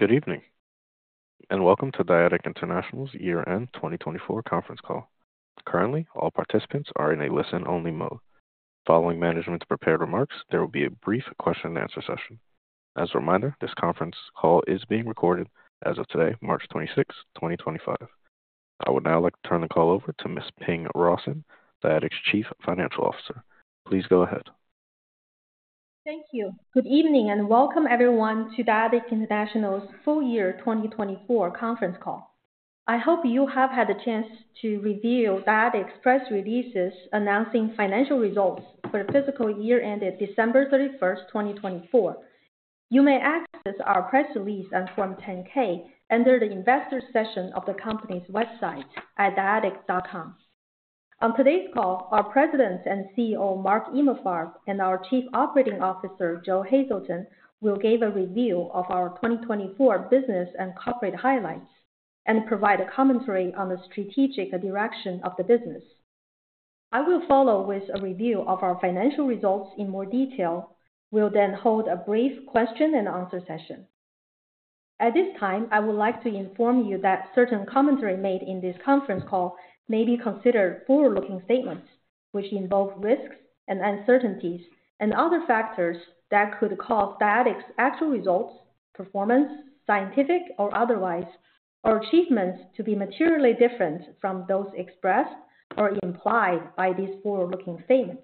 Good evening and welcome to Dyadic International's Year-end 2024 Conference Call. Currently, all participants are in a listen-only mode. Following management's prepared remarks, there will be a brief question-and-answer session. As a reminder, this conference call is being recorded as of today, 26 March 2025. I would now like to turn the call over to Ms. Ping Rawson, Dyadic's Chief Financial Officer. Please go ahead. Thank you. Good evening and welcome, everyone, to Dyadic International's Full-year 2024 Conference Call. I hope you have had the chance to review Dyadic's press releases announcing financial results for the fiscal year ended 31 December 2024. You may access our press release and Form 10-K under the investor section of the company's website at dyadic.com. On today's call, our President and CEO, Mark Emalfarb, and our Chief Operating Officer, Joe Hazelton, will give a review of our 2024 business and corporate highlights and provide a commentary on the strategic direction of the business. I will follow with a review of our financial results in more detail. We'll then hold a brief question-and-answer session. At this time, I would like to inform you that certain commentary made in this conference call may be considered forward-looking statements, which involve risks and uncertainties and other factors that could cause Dyadic's actual results, performance, scientific or otherwise, or achievements to be materially different from those expressed or implied by these forward-looking statements.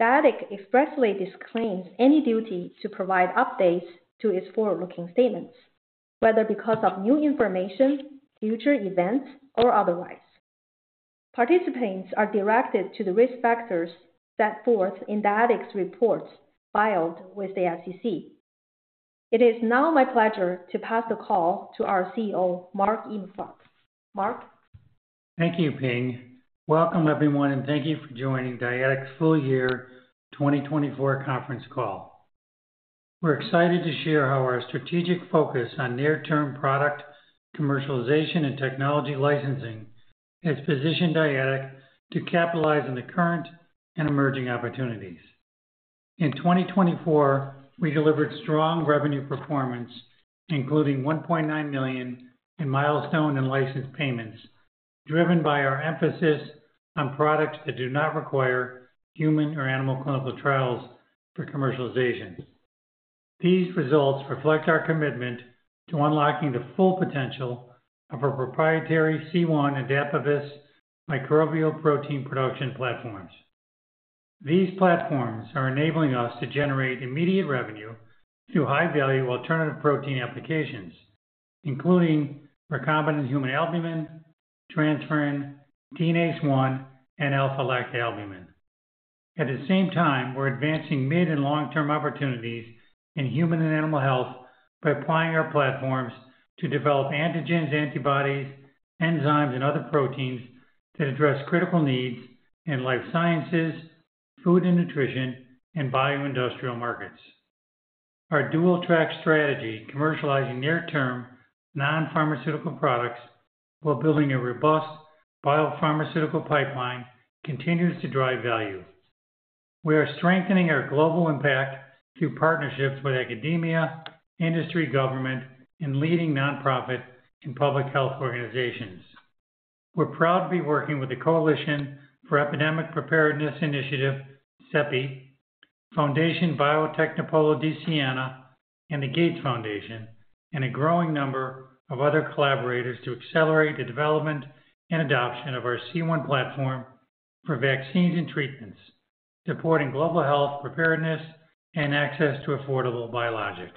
Dyadic expressly disclaims any duty to provide updates to its forward-looking statements, whether because of new information, future events, or otherwise. Participants are directed to the risk factors set forth in Dyadic's reports filed with the SEC. It is now my pleasure to pass the call to our CEO, Mark Emalfarb. Mark. Thank you, Ping. Welcome, everyone, and thank you for joining Dyadic's full-year 2024 conference call. We're excited to share how our strategic focus on near-term product commercialization and technology licensing has positioned Dyadic to capitalize on the current and emerging opportunities. In 2024, we delivered strong revenue performance, including $1.9 million in milestone and license payments, driven by our emphasis on products that do not require human or animal clinical trials for commercialization. These results reflect our commitment to unlocking the full potential of our proprietary C1 and Dapibus microbial protein production platforms. These platforms are enabling us to generate immediate revenue through high-value alternative protein applications, including recombinant human albumin, transferrin, DNase I, and alpha-lactalbumin. At the same time, we're advancing mid and long-term opportunities in human and animal health by applying our platforms to develop antigens, antibodies, enzymes, and other proteins that address critical needs in life sciences, food and nutrition, and bio-industrial markets. Our dual-track strategy, commercializing near-term non-pharmaceutical products while building a robust biopharmaceutical pipeline, continues to drive value. We are strengthening our global impact through partnerships with academia, industry, government, and leading nonprofit and public health organizations. We're proud to be working with the Coalition for Epidemic Preparedness Innovations, CEPI, Fondazione Biotecnopolo di Siena, and the Gates Foundation, and a growing number of other collaborators to accelerate the development and adoption of our C1 platform for vaccines and treatments, supporting global health preparedness and access to affordable biologics.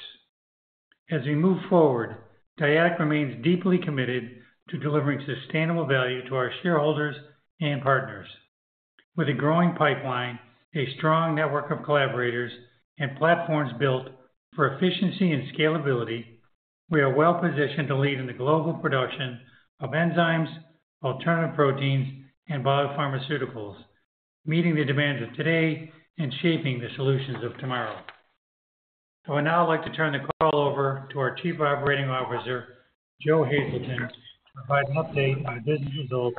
As we move forward, Dyadic remains deeply committed to delivering sustainable value to our shareholders and partners. With a growing pipeline, a strong network of collaborators, and platforms built for efficiency and scalability, we are well-positioned to lead in the global production of enzymes, alternative proteins, and biopharmaceuticals, meeting the demands of today and shaping the solutions of tomorrow. I would now like to turn the call over to our Chief Operating Officer, Joe Hazelton, to provide an update on business results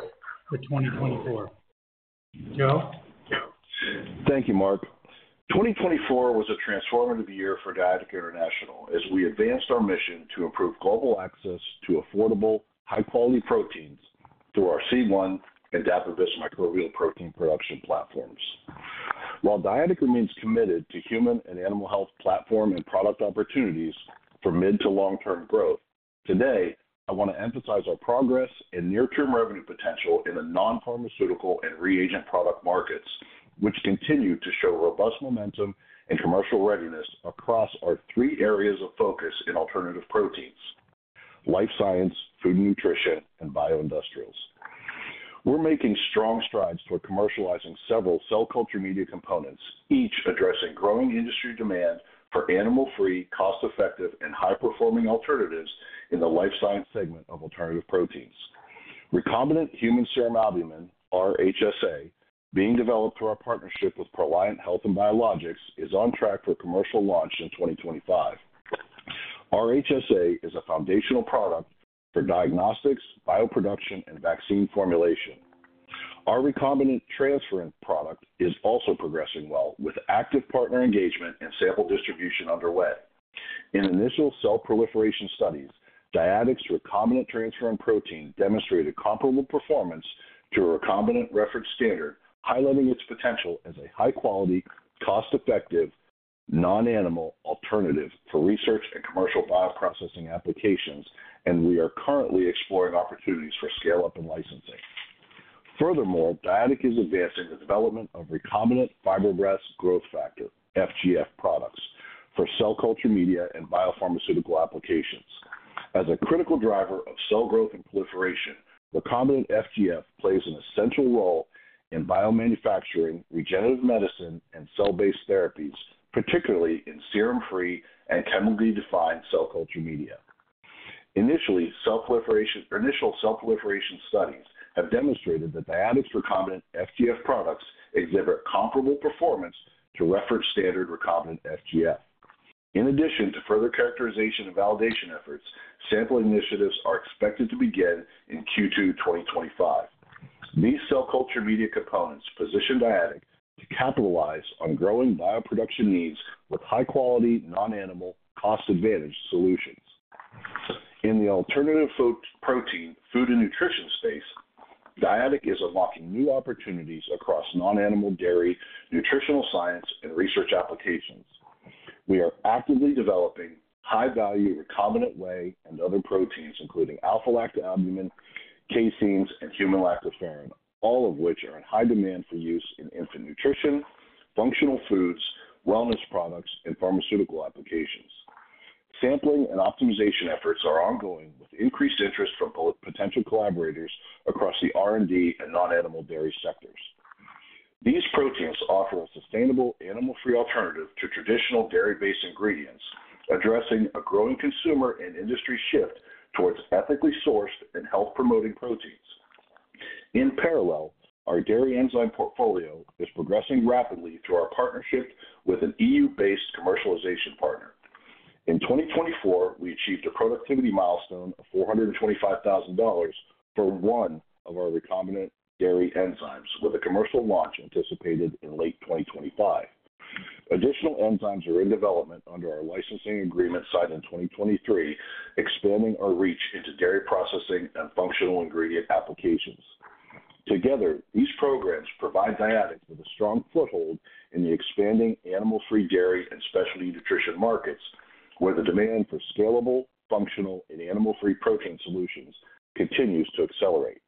for 2024. Joe. Thank you, Mark. 2024 was a transformative year for Dyadic International as we advanced our mission to improve global access to affordable, high-quality proteins through our C1 and Dapibus microbial protein production platforms. While Dyadic remains committed to human and animal health platform and product opportunities for mid to long-term growth, today, I want to emphasize our progress and near-term revenue potential in the non-pharmaceutical and reagent product markets, which continue to show robust momentum and commercial readiness across our three areas of focus in alternative proteins: life science, food and nutrition, and bio-industrials. We're making strong strides toward commercializing several cell culture media components, each addressing growing industry demand for animal-free, cost-effective, and high-performing alternatives in the life science segment of alternative proteins. Recombinant human serum albumin, rHSA, being developed through our partnership with Proliant Health and Biologics is on track for commercial launch in 2025. rHSA is a foundational product for diagnostics, bio-production, and vaccine formulation. Our recombinant transferrin product is also progressing well, with active partner engagement and sample distribution underway. In initial cell proliferation studies, Dyadic's recombinant transferrin protein demonstrated comparable performance to a recombinant reference standard, highlighting its potential as a high-quality, cost-effective, non-animal alternative for research and commercial bioprocessing applications, and we are currently exploring opportunities for scale-up and licensing. Furthermore, Dyadic is advancing the development of recombinant Fibroblast Growth Factor, FGF, products for cell culture media and biopharmaceutical applications. As a critical driver of cell growth and proliferation, recombinant FGF plays an essential role in biomanufacturing, regenerative medicine, and cell-based therapies, particularly in serum-free and chemically-defined cell culture media. Initially cell proliferation studies have demonstrated that Dyadic's recombinant FGF products exhibit comparable performance to reference standard recombinant FGF. In addition to further characterization and validation efforts, sampling initiatives are expected to begin in Q2 2025. These cell culture media components position Dyadic to capitalize on growing bio-production needs with high-quality, non-animal, cost-advantaged solutions. In the alternative protein, food and nutrition space, Dyadic is unlocking new opportunities across non-animal dairy nutritional science and research applications. We are actively developing high-value recombinant whey and other proteins, including alpha-lactalbumin, caseins, and human lactoferrin, all of which are in high demand for use in infant nutrition, functional foods, wellness products, and pharmaceutical applications. Sampling and optimization efforts are ongoing, with increased interest from both potential collaborators across the R&D and non-animal dairy sectors. These proteins offer a sustainable, animal-free alternative to traditional dairy-based ingredients, addressing a growing consumer and industry shift towards ethically sourced and health-promoting proteins. In parallel, our dairy enzyme portfolio is progressing rapidly through our partnership with an EU-based commercialization partner. In 2024, we achieved a productivity milestone of $425,000 for one of our recombinant dairy enzymes, with a commercial launch anticipated in late 2025. Additional enzymes are in development under our licensing agreement signed in 2023, expanding our reach into dairy processing and functional ingredient applications. Together, these programs provide Dyadic with a strong foothold in the expanding animal-free dairy and specialty nutrition markets, where the demand for scalable, functional, and animal-free protein solutions continues to accelerate.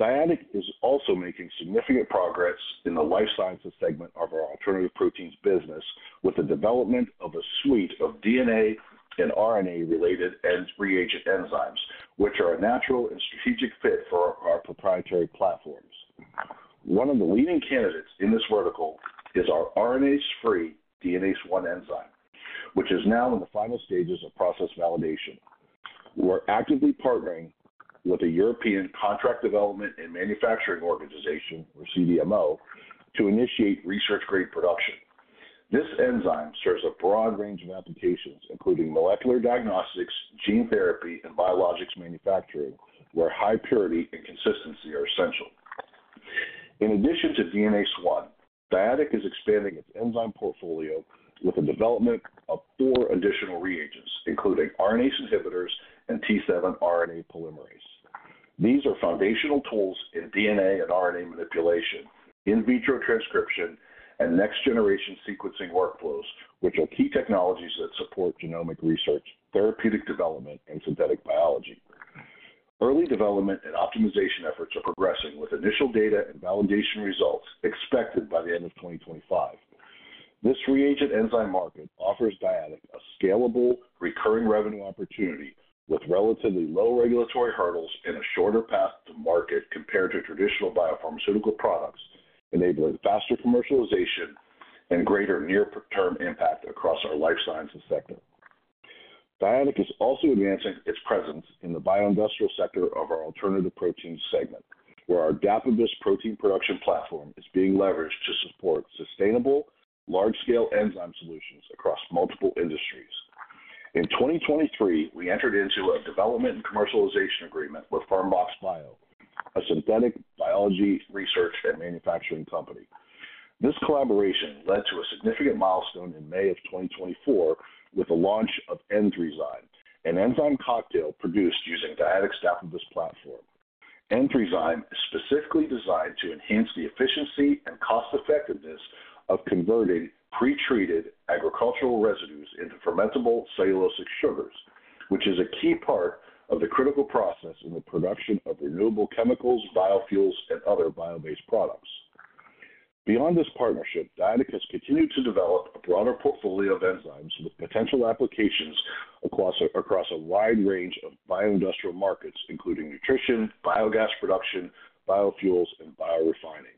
Dyadic is also making significant progress in the life sciences segment of our alternative proteins business with the development of a suite of DNA and RNA-related reagent enzymes, which are a natural and strategic fit for our proprietary platforms. One of the leading candidates in this vertical is our RNase-free DNase I enzyme, which is now in the final stages of process validation. We're actively partnering with a European contract development and manufacturing organization, or CDMO, to initiate research-grade production. This enzyme serves a broad range of applications, including molecular diagnostics, gene therapy, and biologics manufacturing, where high purity and consistency are essential. In addition to DNase I, Dyadic is expanding its enzyme portfolio with the development of four additional reagents, including RNase inhibitors and T7 RNA polymerase. These are foundational tools in DNA and RNA manipulation, in vitro transcription, and next-generation sequencing workflows, which are key technologies that support genomic research, therapeutic development, and synthetic biology. Early development and optimization efforts are progressing, with initial data and validation results expected by the end of 2025. This reagent enzyme market offers Dyadic a scalable, recurring revenue opportunity with relatively low regulatory hurdles and a shorter path to market compared to traditional biopharmaceutical products, enabling faster commercialization and greater near-term impact across our life sciences sector. Dyadic is also advancing its presence in the bio-industrial sector of our alternative proteins segment, where our Dapibus protein production platform is being leveraged to support sustainable, large-scale enzyme solutions across multiple industries. In 2023, we entered into a development and commercialization agreement Fermbox Bio, a synthetic biology research and manufacturing company. This collaboration led to a significant milestone in May of 2024 with the launch of EN3ZYME, an enzyme cocktail produced using Dyadic's Dapibus platform. EN3ZYME is specifically designed to enhance the efficiency and cost-effectiveness of converting pretreated agricultural residues into fermentable cellulosic sugars, which is a key part of the critical process in the production of renewable chemicals, biofuels, and other bio-based products. Beyond this partnership, Dyadic has continued to develop a broader portfolio of enzymes with potential applications across a wide range of bio-industrial markets, including nutrition, biogas production, biofuels, and biorefining.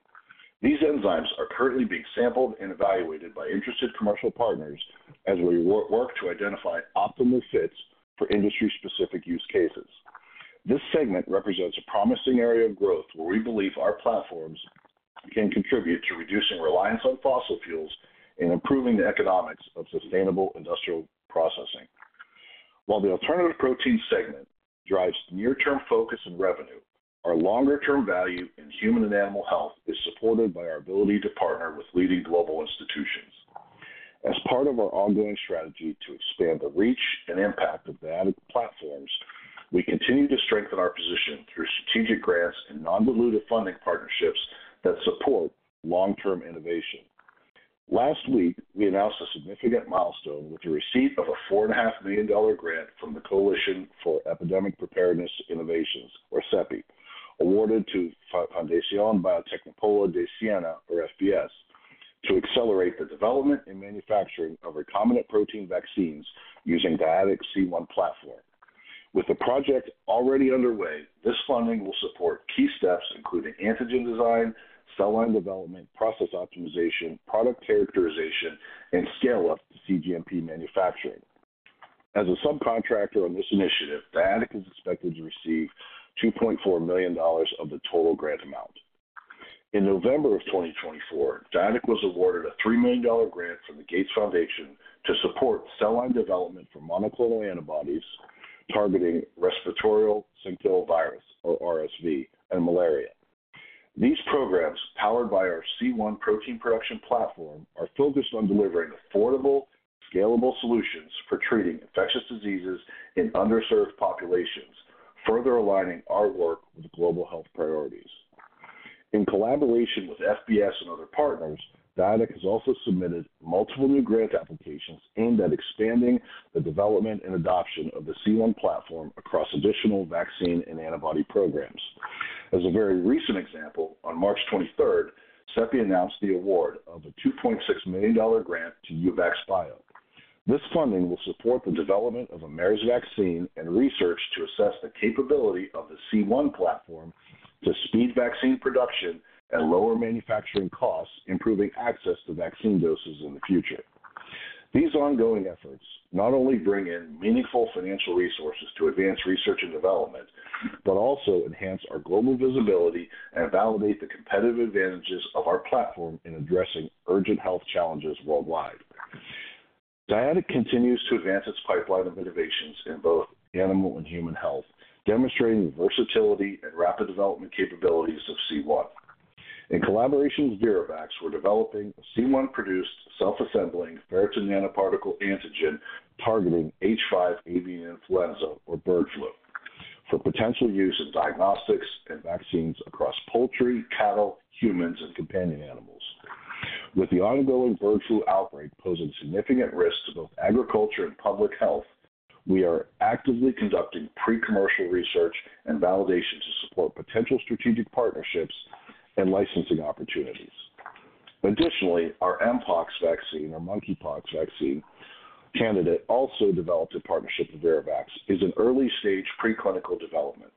These enzymes are currently being sampled and evaluated by interested commercial partners as we work to identify optimal fits for industry-specific use cases. This segment represents a promising area of growth where we believe our platforms can contribute to reducing reliance on fossil fuels and improving the economics of sustainable industrial processing. While the alternative protein segment drives near-term focus and revenue, our longer-term value in human and animal health is supported by our ability to partner with leading global institutions. As part of our ongoing strategy to expand the reach and impact of Dyadic platforms, we continue to strengthen our position through strategic grants and non-dilutive funding partnerships that support long-term innovation. Last week, we announced a significant milestone with the receipt of a $4.5 million grant from the Coalition for Epidemic Preparedness Innovations, or CEPI, awarded to Fondazione Biotecnopolo di Siena, or FBS, to accelerate the development and manufacturing of recombinant protein vaccines using Dyadic's C1 platform. With the project already underway, this funding will support key steps, including antigen design, cell line development, process optimization, product characterization, and scale-up to CGMP manufacturing. As a subcontractor on this initiative, Dyadic is expected to receive $2.4 million of the total grant amount. In November of 2024, Dyadic was awarded a $3 million grant from the Gates Foundation to support cell line development for monoclonal antibodies targeting respiratory syncytial virus, or RSV, and malaria. These programs, powered by our C1 protein production platform, are focused on delivering affordable, scalable solutions for treating infectious diseases in underserved populations, further aligning our work with global health priorities. In collaboration with FBS and other partners, Dyadic has also submitted multiple new grant applications aimed at expanding the development and adoption of the C1 platform across additional vaccine and antibody programs. As a very recent example, on March 23rd, CEPI announced the award of a $2.6 million grant to Uvax Bio. This funding will support the development of a MERS vaccine and research to assess the capability of the C1 platform to speed vaccine production and lower manufacturing costs, improving access to vaccine doses in the future. These ongoing efforts not only bring in meaningful financial resources to advance research and development, but also enhance our global visibility and validate the competitive advantages of our platform in addressing urgent health challenges worldwide. Dyadic continues to advance its pipeline of innovations in both animal and human health, demonstrating the versatility and rapid development capabilities of C1. In collaboration with ViroVax, we're developing a C1-produced self-assembling ferritin nanoparticle antigen targeting H5 avian influenza, or bird flu, for potential use in diagnostics and vaccines across poultry, cattle, humans, and companion animals. With the ongoing bird flu outbreak posing significant risks to both agriculture and public health, we are actively conducting pre-commercial research and validation to support potential strategic partnerships and licensing opportunities. Additionally, our Mpox vaccine, or monkeypox vaccine candidate, also developed in partnership with ViroVax, is in early-stage preclinical development.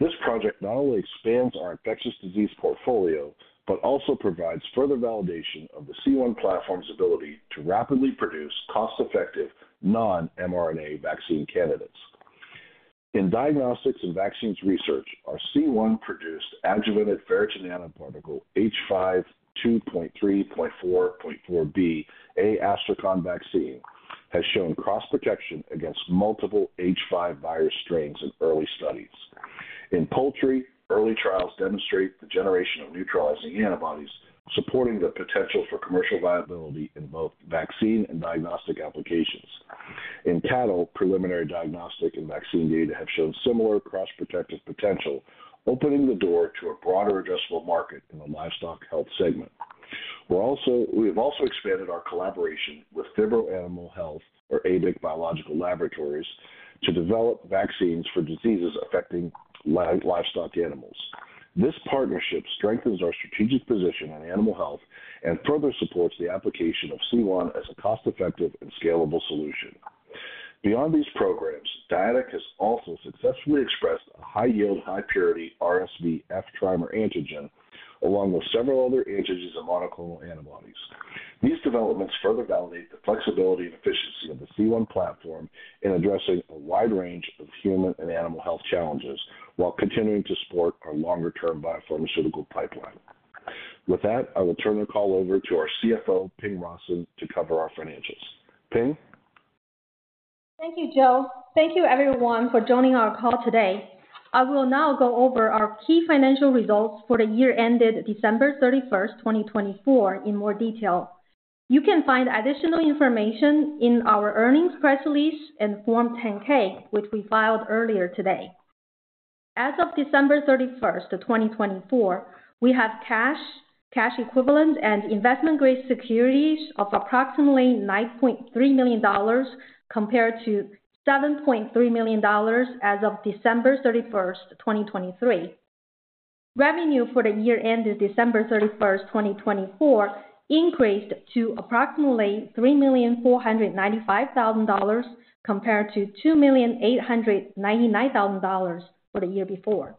This project not only expands our infectious disease portfolio, but also provides further validation of the C1 platform's ability to rapidly produce cost-effective non-mRNA vaccine candidates. In diagnostics and vaccines research, our C1-produced adjuvanted ferritin nanoparticle H5 2.3.4.4b A/Astrakhan vaccine has shown cross-protection against multiple H5 virus strains in early studies. In poultry, early trials demonstrate the generation of neutralizing antibodies, supporting the potential for commercial viability in both vaccine and diagnostic applications. In cattle, preliminary diagnostic and vaccine data have shown similar cross-protective potential, opening the door to a broader addressable market in the livestock health segment. We have also expanded our collaboration with Phibro Animal Health, or Abic Biological Laboratories, to develop vaccines for diseases affecting livestock animals. This partnership strengthens our strategic position in animal health and further supports the application of C1 as a cost-effective and scalable solution. Beyond these programs, Dyadic has also successfully expressed a high-yield, high-purity RSV F trimer antigen, along with several other antigens and monoclonal antibodies. These developments further validate the flexibility and efficiency of the C1 platform in addressing a wide range of human and animal health challenges while continuing to support our longer-term biopharmaceutical pipeline. With that, I will turn the call over to our CFO, Ping Rawson, to cover our financials. Ping? Thank you, Joe. Thank you, everyone, for joining our call today. I will now go over our key financial results for the year ended 31 December 2024, in more detail. You can find additional information in our earnings press release and Form 10-K, which we filed earlier today. As of 31 December 2024, we have cash, cash equivalent, and investment-grade securities of approximately $9.3 million compared to $7.3 million as of 31 December 2023. Revenue for the year ended 31 December 2024, increased to approximately $3.495 million compared to $2.899 million for the year before.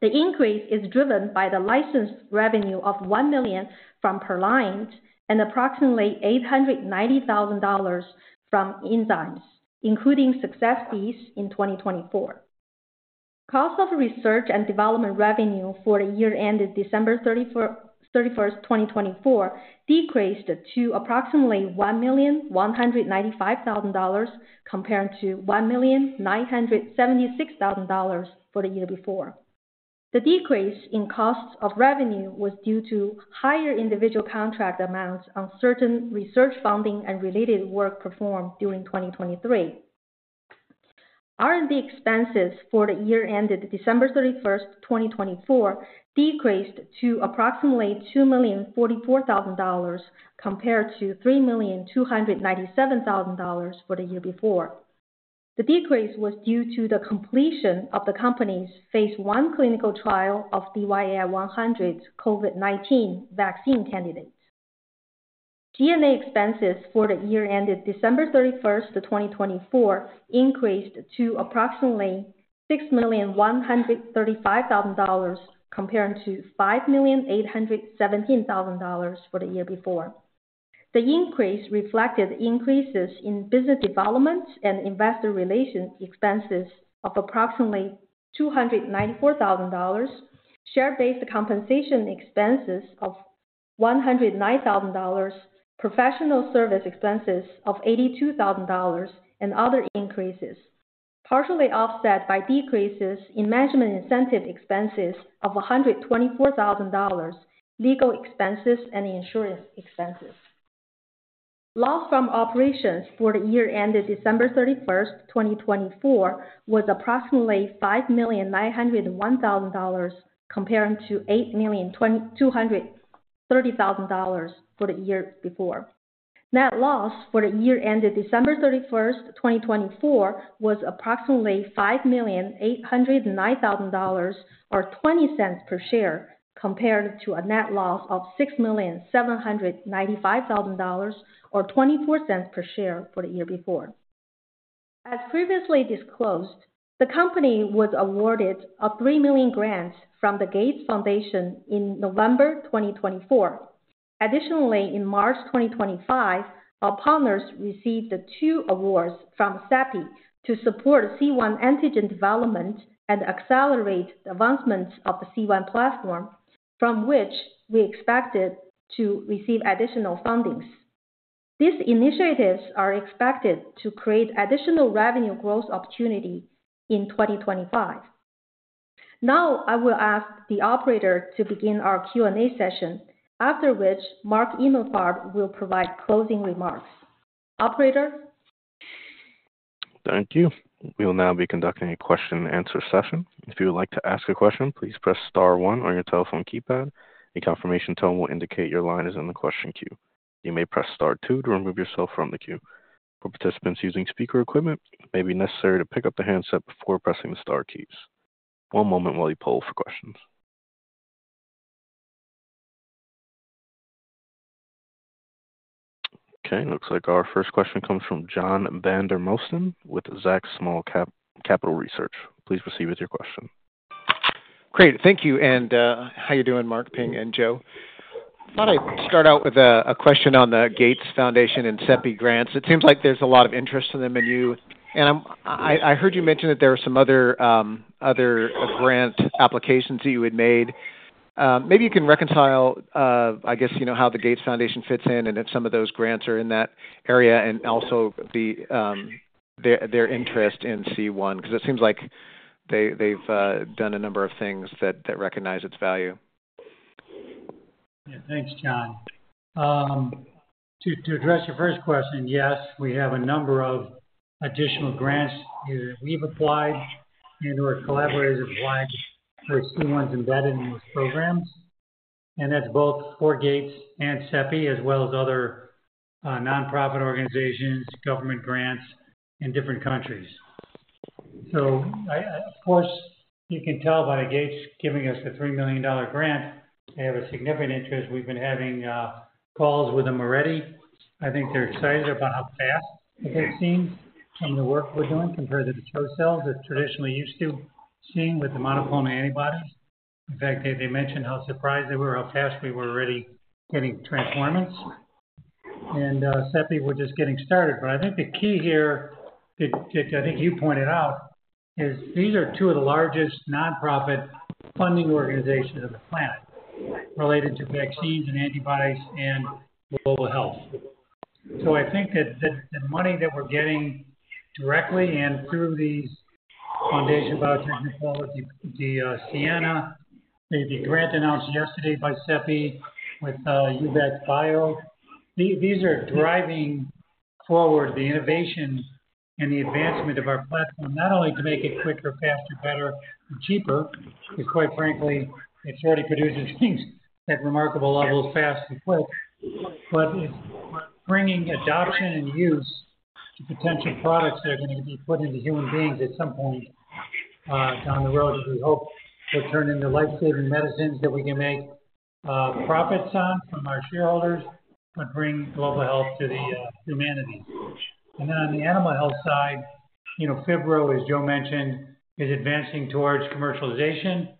The increase is driven by the licensed revenue of $1 million from Proliant and approximately $890,000 from enzymes, including success fees in 2024. Cost of research and development revenue for the year ended 31 December 2024, decreased to approximately $1.195 million compared to $1.976 million for the year before. The decrease in cost of revenue was due to higher individual contract amounts on certain research funding and related work performed during 2023. R&D expenses for the year ended 31 December 2024, decreased to approximately $2.044 million compared to $3.297 million for the year before. The decrease was due to the completion of the company's phase I clinical trial of DYAI-100 COVID-19 vaccine candidates. G&A expenses for the year ended 31 December 2024, increased to approximately $6.135 million compared to $5.817 million for the year before. The increase reflected increases in business development and investor relations expenses of approximately $294,000, share-based compensation expenses of $109,000, professional service expenses of $82,000, and other increases, partially offset by decreases in management incentive expenses of $124,000, legal expenses, and insurance expenses. Loss from operations for the year ended 31 December 2024, was approximately $5.901 milion compared to $8.230 million for the year before. Net loss for the year ended 31 December 2024, was approximately $5.809 million or $0.20 per share compared to a net loss of $6.795 million or $0.24 per share for the year before. As previously disclosed, the company was awarded a $3 million grant from the Gates Foundation in November 2024. Additionally, in March 2025, our partners received the two awards from CEPI to support C1 antigen development and accelerate the advancements of the C1 platform, from which we expected to receive additional funding. These initiatives are expected to create additional revenue growth opportunity in 2025. Now, I will ask the operator to begin our Q&A session, after which Mark Emalfarb will provide closing remarks. Operator? Thank you. We will now be conducting a question-and-answer session. If you would like to ask a question, please press star one on your telephone keypad. A confirmation tone will indicate your line is in the question queue. You may press star two to remove yourself from the queue. For participants using speaker equipment, it may be necessary to pick up the handset before pressing the star keys. One moment while we poll for questions. Okay. Looks like our first question comes from John Vandermosten with Zacks Small Cap Research. Please proceed with your question. Great. Thank you. And how you doing, Mark, Ping, and Joe? Thought I'd start out with a question on the Gates Foundation and CEPI grants. It seems like there's a lot of interest in them and you. I heard you mention that there were some other grant applications that you had made. Maybe you can reconcile, I guess, how the Gates Foundation fits in and if some of those grants are in that area and also their interest in C1, because it seems like they've done a number of things that recognize its value. Yeah. Thanks, John. To address your first question, yes, we have a number of additional grants either that we've applied and/or collaborators have applied for C1s embedded in those programs. That's both for Gates and CEPI, as well as other nonprofit organizations, government grants, in different countries. Of course, you can tell by the Gates giving us the $3 million grant, they have a significant interest. We've been having calls with them already. I think they're excited about how fast they've seen on the work we're doing compared to the dispersal that traditionally used to seeing with the monoclonal antibodies. In fact, they mentioned how surprised they were, how fast we were already getting transformants. And CEPI, we're just getting started. But I think the key here, that I think you pointed out, is these are two of the largest nonprofit funding organizations on the planet related to vaccines and antibodies and global health. So I think that the money that we're getting directly and through these Fondazione Biotecnopolo di Siena, the grant announced yesterday by CEPI with Uvax Bio, these are driving forward the innovation and the advancement of our platform, not only to make it quicker, faster, better, and cheaper, because quite frankly, it already produces things at remarkable levels fast and quick, but it's bringing adoption and use to potential products that are going to be put into human beings at some point down the road, as we hope will turn into lifesaving medicines that we can make profits on from our shareholders, but bring global health to the humanity. On the animal health side, you know, Phibro as Joe mentioned, is advancing towards commercialization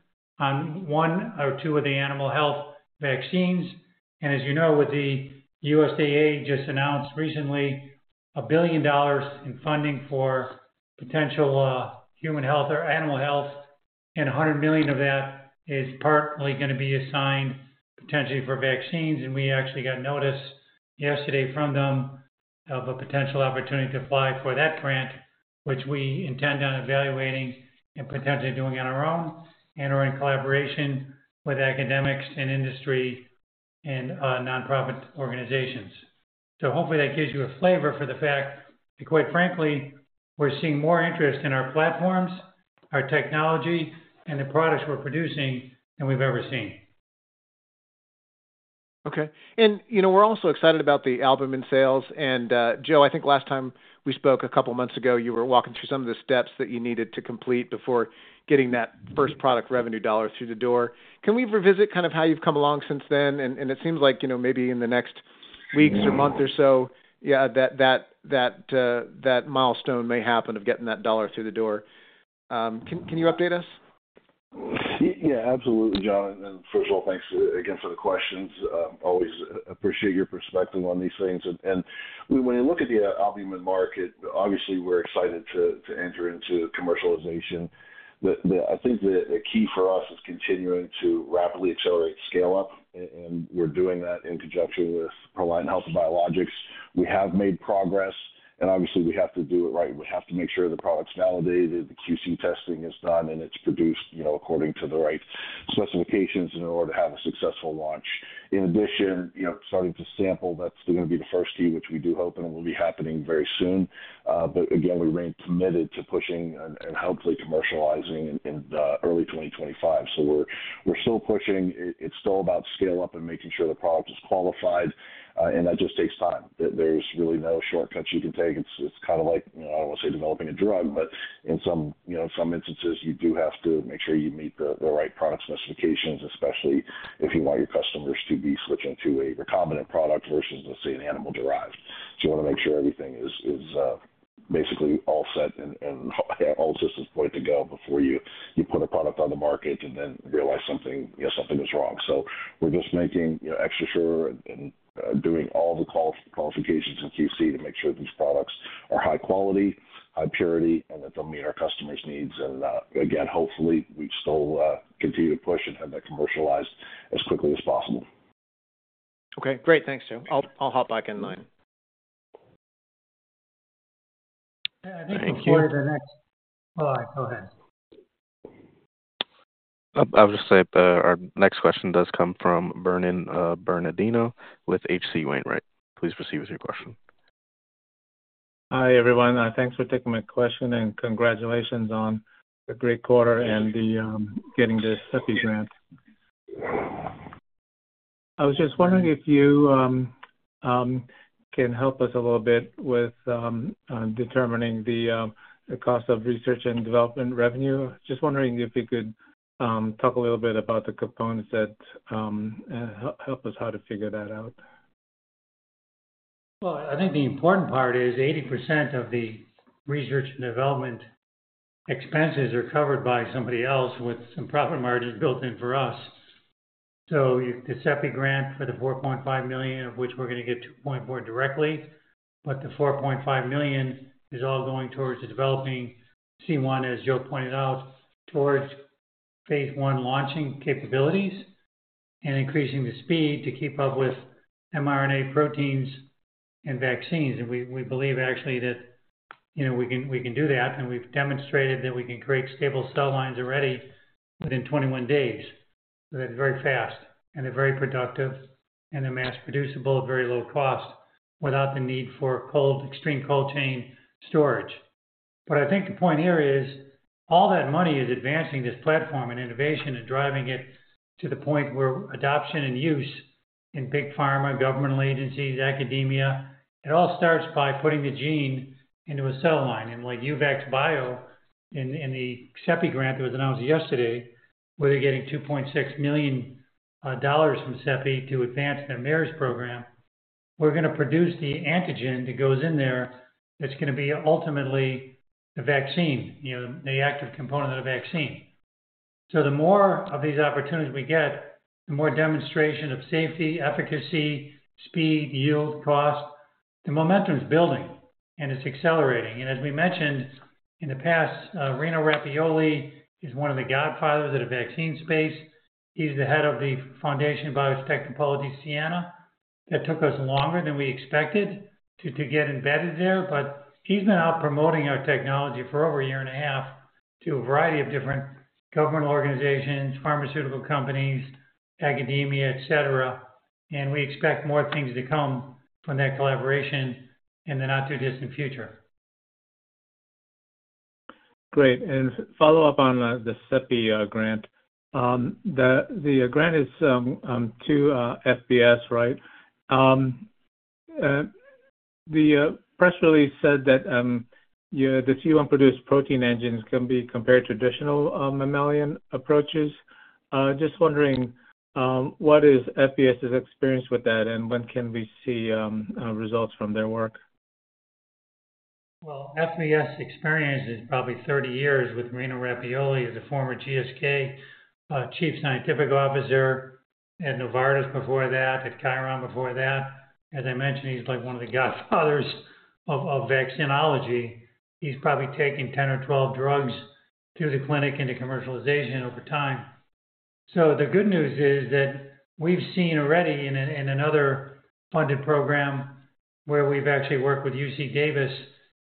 on one or two of the animal health vaccines. As you know, with the USDA just announced recently a billion dollars in funding for potential human health or animal health, and $100 million of that is partly going to be assigned potentially for vaccines. We actually got notice yesterday from them of a potential opportunity to apply for that grant, which we intend on evaluating and potentially doing in our own and/or in collaboration with academics and industry and nonprofit organizations. So hopefully that gives you a flavor for the fact that, quite frankly, we're seeing more interest in our platforms, our technology, and the products we're producing than we've ever seen. Okay. And you know we're also excited about the albumin sales. And Joe, I think last time we spoke a couple of months ago, you were walking through some of the steps that you needed to complete before getting that first product revenue dollar through the door. Can we revisit kind of how you've come along since then? It seems like you know maybe in the next weeks or month or so, yeah, that milestone may happen of getting that dollar through the door. Can you update us? Yeah, absolutely, John. First of all, thanks again for the questions. Always appreciate your perspective on these things. And when you look at the albumin market, obviously, we're excited to enter into commercialization. I think the key for us is continuing to rapidly accelerate scale-up, and we're doing that in conjunction with Proliant Health & Biologics. We have made progress, and obviously, we have to do it right. We have to make sure the product's validated, the QC testing is done, and it's produced according to the right specifications in order to have a successful launch. In addition, starting to sample, that's going to be the first key, which we do hope, and it will be happening very soon. But again, we remain committed to pushing and hopefully commercializing in early 2025. We are still pushing. It's still about scale-up and making sure the product is qualified, and that just takes time. There's really no shortcut you can take. It's kind of like, I don't want to say developing a drug, but in some instances, you do have to make sure you meet the right product specifications, especially if you want your customers to be switching to a recombinant product versus, let's say, an animal-derived. You want to make sure everything is basically all set and all systems point to go before you put a product on the market and then realize something is wrong. So we're just making extra sure and doing all the qualifications and QC to make sure these products are high quality, high purity, and that they'll meet our customers' needs. Again, hopefully, we still continue to push and have that commercialized as quickly as possible. Okay. Great. Thanks, Joe. I'll hop back in line. All right. Go ahead. I'll just say our next question does come from Vernon Bernardino with H.C. Wainwright. Please proceed with your question. Hi, everyone. Thanks for taking my question and congratulations on the great quarter and getting the CEPI grant. I was just wondering if you can help us a little bit with determining the cost of research and development revenue. Just wondering if you could talk a little bit about the components that help us how to figure that out. I think the important part is 80% of the research and development expenses are covered by somebody else with some profit margin built in for us. The CEPI grant for the $4.5 million, of which we're going to get $2.4 million directly, but the $4.5 million is all going towards developing C1, as Joe pointed out, towards phase one launching capabilities and increasing the speed to keep up with mRNA proteins and vaccines. And we believe, actually, that we can do that. We've demonstrated that we can create stable cell lines already within 21 days. That is very fast, and they're very productive, and they're mass-producible at very low cost without the need for cold, extreme cold chain storage. I think the point here is all that money is advancing this platform and innovation and driving it to the point where adoption and use in big pharma, governmental agencies, academia, it all starts by putting the gene into a cell line. Like Uvax Bio in the CEPI grant that was announced yesterday, where they're getting $2.6 million from CEPI to advance their MERS program, we're going to produce the antigen that goes in there that's going to be ultimately the vaccine, the active component of the vaccine. The more of these opportunities we get, the more demonstration of safety, efficacy, speed, yield, cost, the momentum is building and it's accelerating. As we mentioned in the past, Rino Rappuoli is one of the godfathers of the vaccine space. He's the head of the Fondazione Biotecnopolo di Siena. That took us longer than we expected to get embedded there, but he's been out promoting our technology for over a year and a half to a variety of different governmental organizations, pharmaceutical companies, academia, etc. We expect more things to come from that collaboration in the not-too-distant future. Great. Follow up on the CEPI grant. The grant is to FBS, right? The press release said that the C1-produced protein engines can be compared to traditional mammalian approaches. Just wondering, what is FBS's experience with that, and when can we see results from their work? FBS experience is probably 30 years with Rino Rappuoli as a former GSK Chief Scientific Officer, at Novartis before that, at Chiron before that. As I mentioned, he's like one of the godfathers of vaccinology. He's probably taken 10 or 12 drugs through the clinic into commercialization over time. The good news is that we've seen already in another funded program where we've actually worked with UC Davis,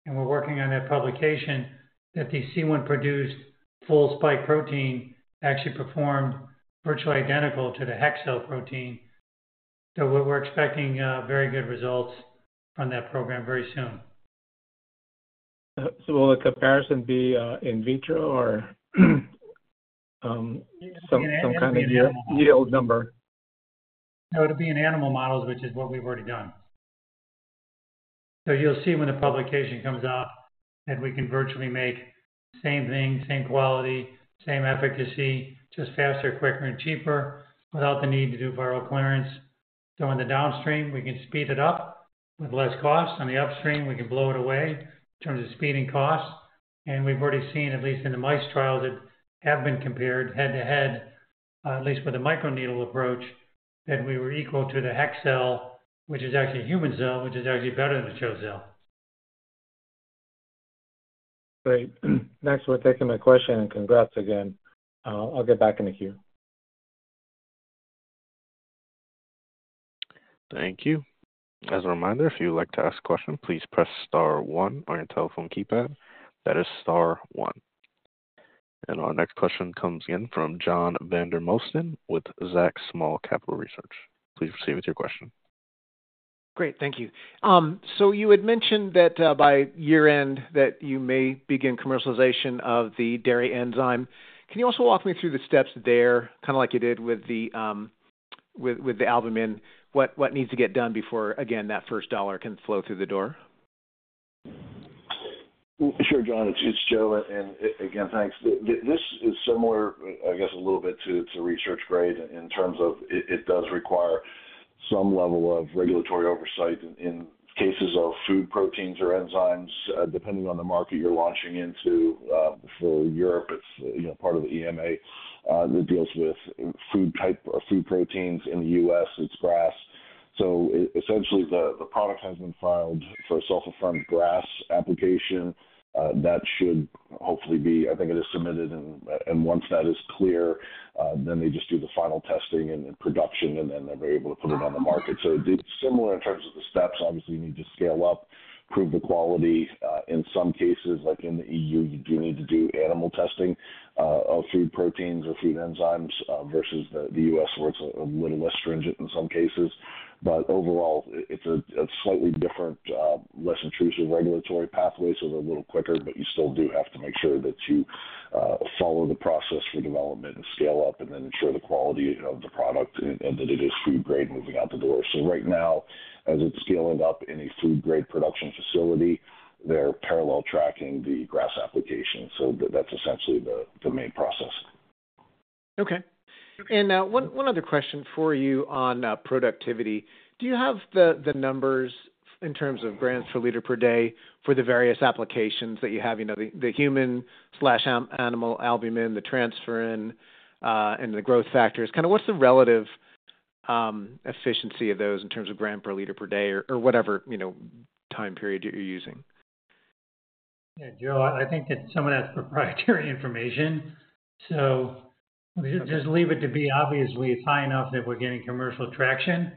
and we're working on that publication, that the C1-produced full spike protein actually performed virtually identical to the hexo protein. We're expecting very good results on that program very soon. Will the comparison be in vitro or some kind of yield number? No, it'll be in animal models, which is what we've already done. You'll see when the publication comes out that we can virtually make same thing, same quality, same efficacy, just faster, quicker, and cheaper without the need to do viral clearance. On the downstream, we can speed it up with less cost. On the upstream, we can blow it away in terms of speed and cost. We have already seen, at least in the mice trials that have been compared head-to-head, at least with a microneedle approach, that we were equal to the HEK cell, which is actually a human cell, which is actually better than the CHO cell. Great. Thanks for taking my question and congrats again. I'll get back in the queue. Thank you. As a reminder, if you'd like to ask a question, please press star one on your telephone keypad. That is star one. Our next question comes in from John D. Vandermosten with Zacks Small-Cap Research. Please proceed with your question. Great. Thank you. You had mentioned that by year-end that you may begin commercialization of the dairy enzyme. Can you also walk me through the steps there, kind of like you did with the albumin, what needs to get done before, again, that first dollar can flow through the door? Sure, John. It's Joe. And again, thanks. This is similar, I guess, a little bit to research-grade in terms of it does require some level of regulatory oversight in cases of food proteins or enzymes, depending on the market you're launching into. For Europe, it's part of EMA that deals with food type or food proteins. In the US, it's GRAS. Essentially, the product has been filed for a self-affirmed GRAS application. That should hopefully be, I think it is submitted and once that is clear, they just do the final testing and production, and then they're able to put it on the market. It's similar in terms of the steps. Obviously, you need to scale up, prove the quality. In some cases, like in the EU, you do need to do animal testing of food proteins or food enzymes versus the US, where it's a little less stringent in some cases. But overall, it's a slightly different, less intrusive regulatory pathway, so they're a little quicker, but you still do have to make sure that you follow the process for development and scale up and then ensure the quality of the product and that it is food-grade moving out the door so right now, as it's scaling up in a food-grade production facility, they're parallel tracking the GRAS application. That's essentially the main process. Okay. One other question for you on productivity. Do you have the numbers in terms of grams per liter per day for the various applications that you have? The human/animal albumin, the transferrin, and the growth factors. Kind of what's the relative efficiency of those in terms of gram per liter per day or whatever, you know, time period you're using? Yeah, Joe, I think that some of that is proprietary information. So just leave it to be obviously, it's high enough that we're getting commercial traction.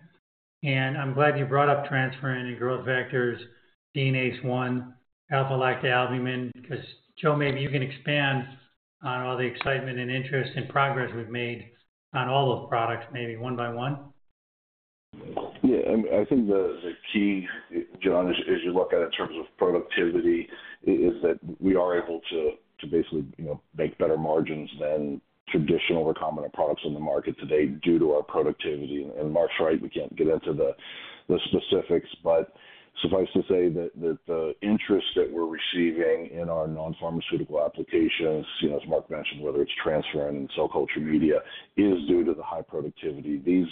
And I'm glad you brought up transferrin and growth factors, DNase I, alpha-lactalbumin, because Joe, maybe you can expand on all the excitement and interest and progress we've made on all those products, maybe one by one. Yeah. I think the key, John, as you look at it in terms of productivity, is that we are able to basically make better margins than traditional recombinant products in the market today due to our productivity. and Mark's right. We can't get into the specifics, but suffice to say that the interest that we're receiving in our non-pharmaceutical applications, as Mark mentioned, whether it's transferrin and cell culture media, is due to the high productivity. These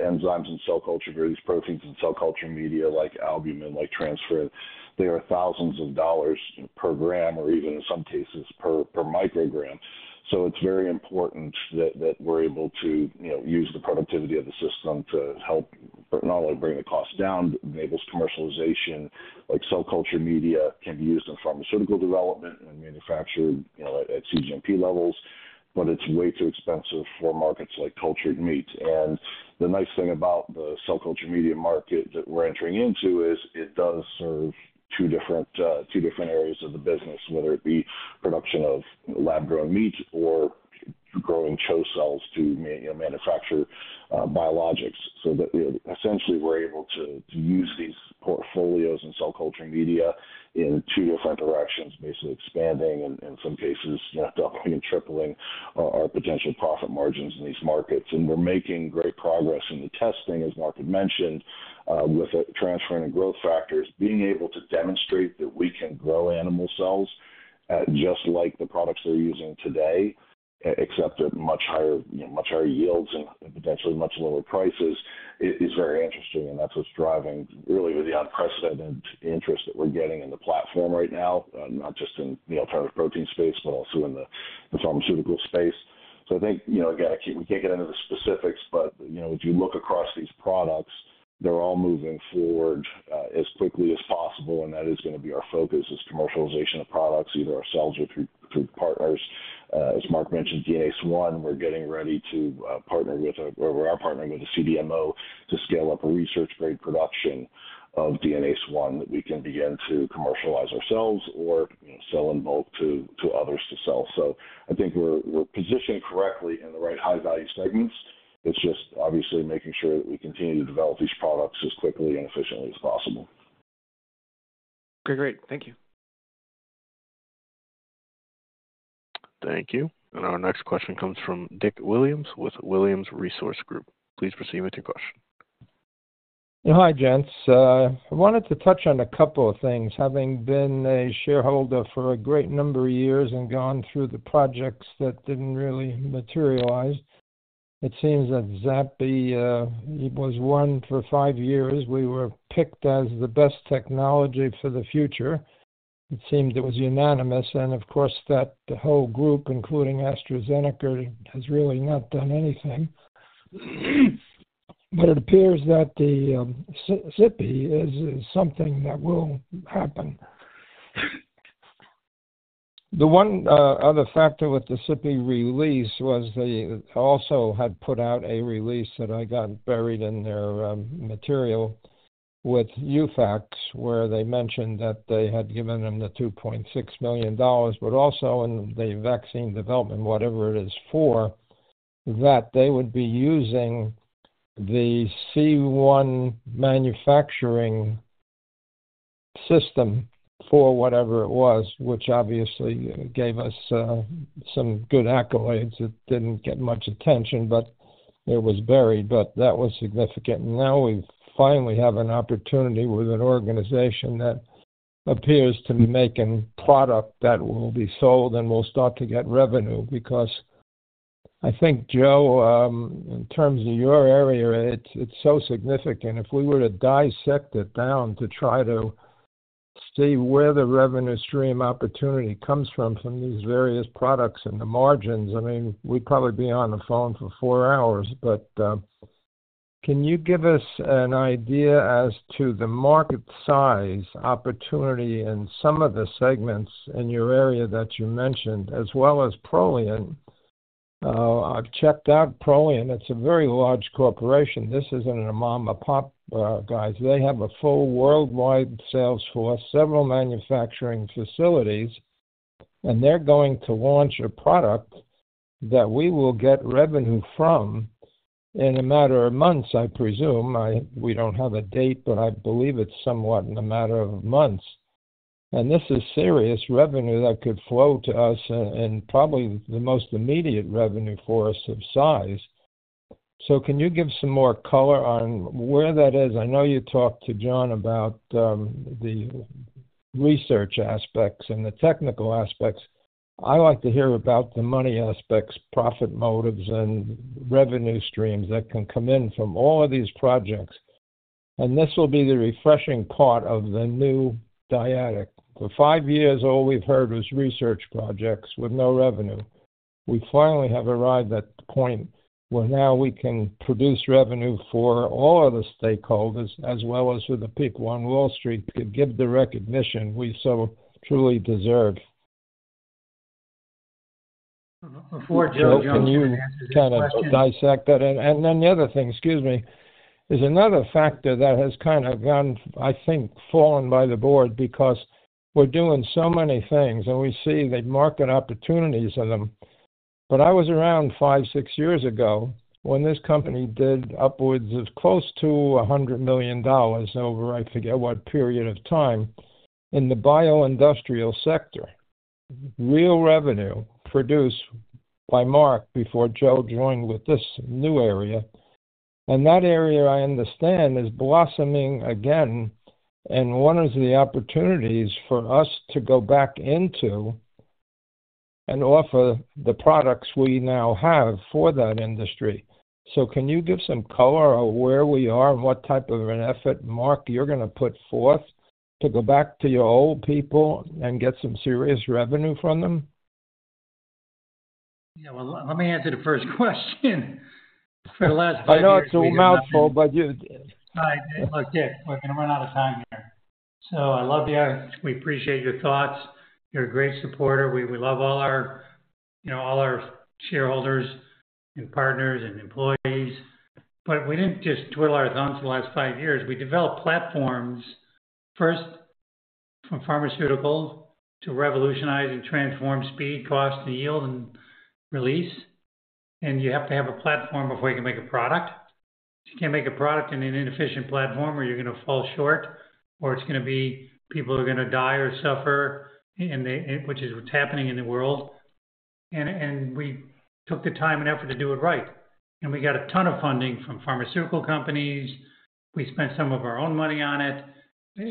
enzymes and cell culture, these proteins and cell culture media like albumin, like transferrin, they are thousands of dollars per gram or even, in some cases, per microgram. It is very important that we're able to use the productivity of the system to help not only bring the cost down, enables commercialization. Cell culture media can be used in pharmaceutical development and manufactured at CGMP levels, but it's way too expensive for markets like cultured meat. And the nice thing about the cell culture media market that we're entering into is it does serve two different areas of the business, whether it be production of lab-grown meat or growing CHO cells to manufacture biologics. Essentially, we're able to use these portfolios and cell culture media in two different directions, basically expanding and, in some cases, doubling and tripling our potential profit margins in these markets. We're making great progress in the testing, as Mark had mentioned, with transferrin and growth factors. Being able to demonstrate that we can grow animal cells just like the products they're using today, except at much higher yields and potentially much lower prices, is very interesting. That's what's driving, really, the unprecedented interest that we're getting in the platform right now, not just in the alternative protein space, but also in the pharmaceutical space. I think, again, we can't get into the specifics, but if you look across these products, they're all moving forward as quickly as possible. That is going to be our focus, commercialization of products, either ourselves or through partners. As Mark mentioned, DNase I, we're getting ready to partner with or we are partnering with a CDMO to scale up a research-grade production of DNase I that we can begin to commercialize ourselves or sell in bulk to others to sell. I think we're positioned correctly in the right high-value segments. It's just, obviously, making sure that we continue to develop these products as quickly and efficiently as possible. Okay. Great. Thank you. Thank you. Our next question comes from Dick Williams with Williams Resource Group. Please proceed with your question. Hi, Gents. I wanted to touch on a couple of things. Having been a shareholder for a great number of years and gone through the projects that did not really materialize, it seems that ZAPI was one for five years. We were picked as the best technology for the future. It seemed it was unanimous. Of course, that whole group, including AstraZeneca, has really not done anything. It appears that the CEPI is something that will happen. The one other factor with the CEPI release was they also had put out a release that got buried in their material with Uvax Bio, where they mentioned that they had given them the $2.6 million, but also in the vaccine development, whatever it is for, that they would be using the C1 manufacturing system for whatever it was, which obviously gave us some good accolades. It did not get much attention, but it was buried. That was significant. Now we finally have an opportunity with an organization that appears to be making product that will be sold and will start to get revenue because I think, Joe, in terms of your area, it's so significant. If we were to dissect it down to try to see where the revenue stream opportunity comes from, from these various products and the margins, I mean, we'd probably be on the phone for four hours. But can you give us an idea as to the market size opportunity in some of the segments in your area that you mentioned, as well as Proliant? I've checked out Proliant. It's a very large corporation. This isn't a Mom and Pop, guys. They have a full worldwide sales force, several manufacturing facilities, and they're going to launch a product that we will get revenue from in a matter of months, I presume. We don't have a date, but I believe it's somewhat in a matter of months. And this is serious revenue that could flow to us and probably the most immediate revenue for us of size. Can you give some more color on where that is? I know you talked to John about the research aspects and the technical aspects. I like to hear about the money aspects, profit motives, and revenue streams that can come in from all of these projects. This will be the refreshing part of the new Dyadic. For five years, all we've heard was research projects with no revenue. We finally have arrived at the point where now we can produce revenue for all of the stakeholders as well as for the people on Wall Street to give the recognition we so truly deserve. Before Joe, John, [crosstalk} Can you kind of dissect that? The other thing, excuse me, is another factor that has kind of gone, I think, fallen by the board because we're doing so many things, and we see that market opportunities in them. I was around five, six years ago when this company did upwards of close to $100 million over, I forget what period of time, in the bioindustrial sector. Real revenue produced by Mark before Joe joined with this new area. That area, I understand, is blossoming again. One of the opportunities for us is to go back into and offer the products we now have for that industry. So can you give some color of where we are and what type of an effort, Mark, you're going to put forth to go back to your old people and get some serious revenue from them? Yeah. Let me answer the first question for the last. I know it's a mouthful, but. Hi, Dick. Look, Dick, we're going to run out of time here. I love you. We appreciate your thoughts. You're a great supporter. We love all our shareholders and partners and employees. But we didn't just twirl our thumbs the last five years. We developed platforms, first from pharmaceuticals to revolutionize and transform speed, cost, and yield and release. You have to have a platform before you can make a product. You can't make a product in an inefficient platform where you're going to fall short or it's going to be people are going to die or suffer, which is what's happening in the world. We took the time and effort to do it right. We got a ton of funding from pharmaceutical companies. We spent some of our own money on it.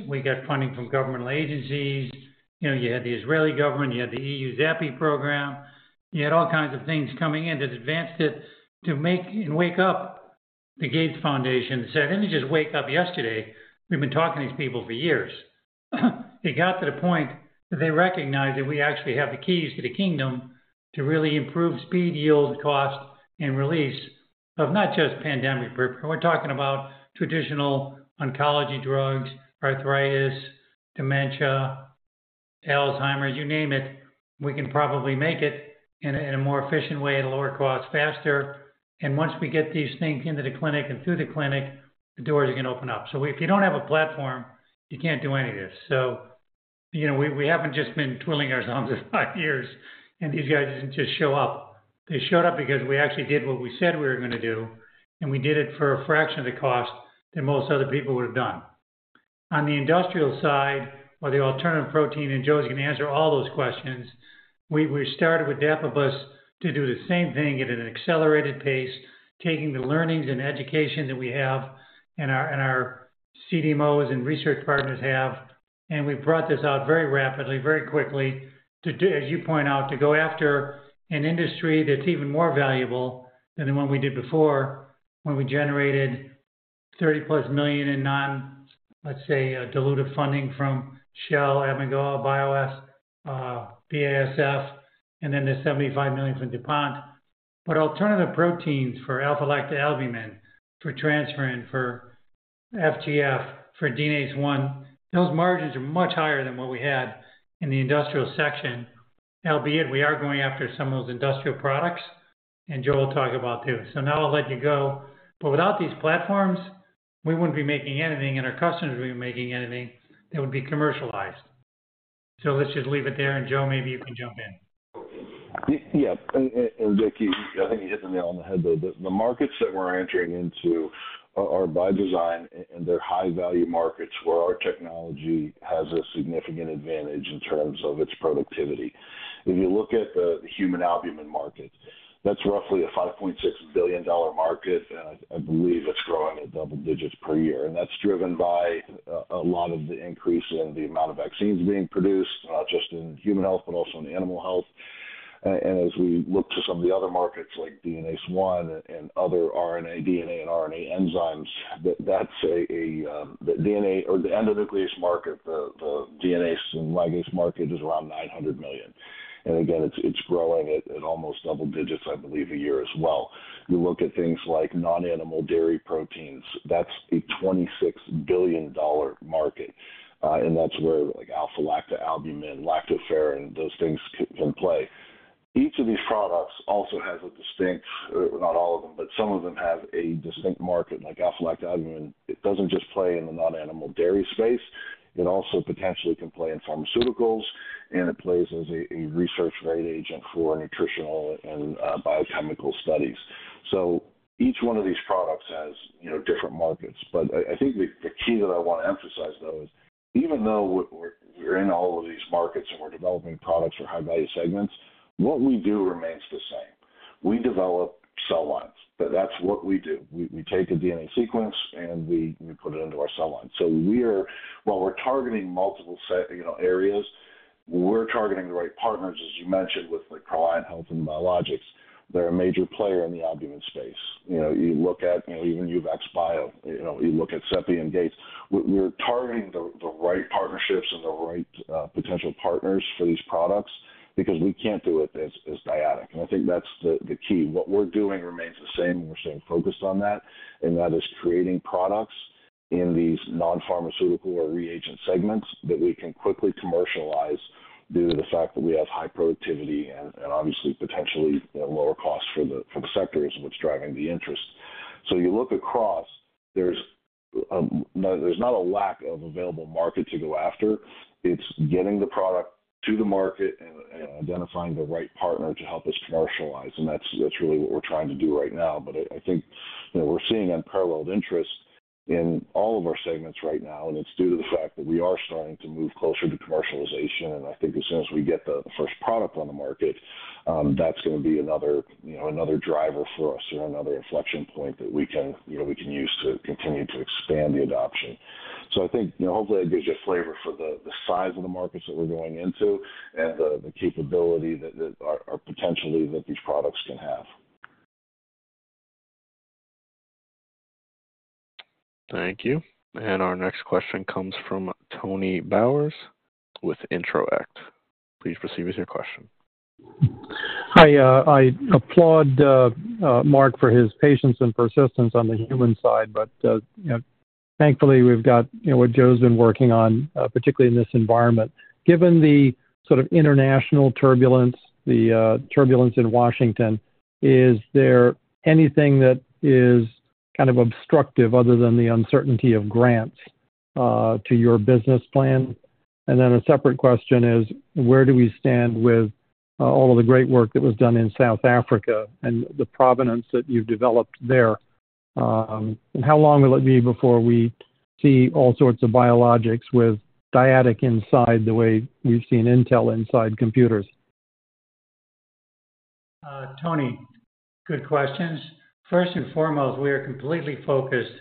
We got funding from governmental agencies. You had the Israeli government. You had the EU ZAPI program. You had all kinds of things coming in that advanced it to make and wake up the Gates Foundation. They said, "I didn't just wake up yesterday. We've been talking to these people for years." It got to the point that they recognized that we actually have the keys to the kingdom to really improve speed, yield, cost, and release of not just pandemic purpose. We're talking about traditional oncology drugs, arthritis, dementia, Alzheimer's, you name it. We can probably make it in a more efficient way, at a lower cost, faster. Once we get these things into the clinic and through the clinic, the doors are going to open up. If you don't have a platform, you can't do any of this. We haven't just been twirling our thumbs for five years, and these guys didn't just show up. They showed up because we actually did what we said we were going to do, and we did it for a fraction of the cost that most other people would have done. On the industrial side, whether alternative protein and Joe's going to answer all those questions, we started with Dapibus to do the same thing at an accelerated pace, taking the learnings and education that we have and our CDMOs and research partners have. We brought this out very rapidly, very quickly, as you point out, to go after an industry that's even more valuable than the one we did before when we generated $30 million-plus in non, let's say, diluted funding from Shell, Abengoa, BIOS, BASF, and then the $75 million from DuPont. Alternative proteins for alpha-lactalbumin, for transferrin, for FGF, for DNase I, those margins are much higher than what we had in the industrial section, albeit we are going after some of those industrial products, and Joe will talk about that too. I will let you go. Without these platforms, we would not be making anything, and our customers would not be making anything that would be commercialized. Let's just leave it there. Joe, maybe you can jump in. Yeah. Dick, I think you hit the nail on the head there. The markets that we're entering into are by design, and they're high-value markets where our technology has a significant advantage in terms of its productivity. If you look at the human albumin market, that's roughly a $5.6 billion market, and I believe it's growing at double digits per year. That's driven by a lot of the increase in the amount of vaccines being produced, not just in human health, but also in animal health. As we look to some of the other markets like DNase I and other RNA, DNA and RNA enzymes, that's a DNA or the endonuclease market, the DNase and ligase market is around $900 million. Again, it's growing at almost double digits, I believe, a year as well. You look at things like non-animal dairy proteins, that's a $26 billion market. That's where alpha-lactalbumin, lactoferrin, those things can play. Each of these products also has a distinct, not all of them, but some of them have a distinct market like alpha-lactalbumin. It doesn't just play in the non-animal dairy space. It also potentially can play in pharmaceuticals, and it plays as a research-grade agent for nutritional and biochemical studies. Each one of these products has different markets. I think the key that I want to emphasize, though, is even though we're in all of these markets and we're developing products for high-value segments, what we do remains the same. We develop cell lines. That's what we do. We take a DNA sequence, and we put it into our cell line. While we're targeting multiple areas, we're targeting the right partners, as you mentioned, with Proliant Health & Biologicals. They're a major player in the albumin space. You look at even Uvax Bio. You look at CEPI and Gates. We're targeting the right partnerships and the right potential partners for these products because we can't do it as Dyadic. I think that's the key. What we're doing remains the same. We're staying focused on that. That is creating products in these non-pharmaceutical or reagent segments that we can quickly commercialize due to the fact that we have high productivity and, obviously, potentially lower cost for the sector is what's driving the interest. You look across, there's not a lack of available market to go after. It's getting the product to the market and identifying the right partner to help us commercialize. That's really what we're trying to do right now. I think we're seeing unparalleled interest in all of our segments right now. It's due to the fact that we are starting to move closer to commercialization. I think as soon as we get the first product on the market, that's going to be another driver for us or another inflection point that we can use to continue to expand the adoption. I think hopefully that gives you a flavor for the size of the markets that we're going into and the capability that are potentially that these products can have. Thank you. Our next question comes from Tony Bowers with Intro-act. Please proceed with your question. Hi. I applaud Mark for his patience and persistence on the human side, but thankfully we've got what Joe's been working on, particularly in this environment. Given the sort of international turbulence, the turbulence in Washington, is there anything that is kind of obstructive other than the uncertainty of grants to your business plan? Then a separate question is, where do we stand with all of the great work that was done in South Africa and the provenance that you've developed there? How long will it be before we see all sorts of biologics with Dyadic inside the way we've seen Intel inside computers? Tony, good questions. First and foremost, we are completely focused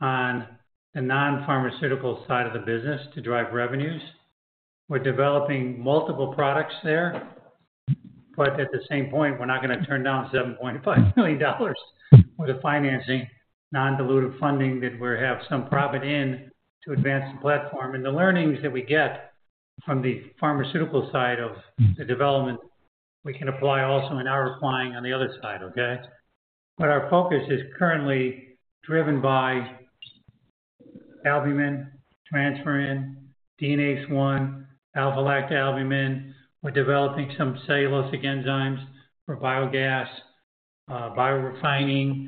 on the non-pharmaceutical side of the business to drive revenues. We're developing multiple products there, but at the same point, we're not going to turn down $7.5 million with the financing, non-dilutive funding that we have some profit in to advance the platform. The learnings that we get from the pharmaceutical side of the development, we can apply also and are applying on the other side, okay? Our focus is currently driven by albumin, transferrin, DNase I, alpha-lactalbumin. We're developing some cellulosic enzymes for biogas, biorefining,